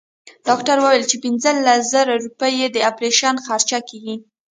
ډاکټر وويل چې پنځلس زره روپۍ يې د اپرېشن خرچه کيږي.